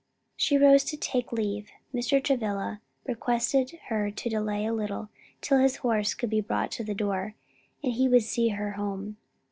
She rose to take leave. Mr. Travilla requested her to delay a little till his horse could be brought to the door, and he would see her home.